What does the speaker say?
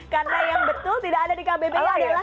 karena yang betul tidak ada di kbbi adalah